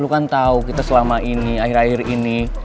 lo kan tau kita selama ini akhir akhir ini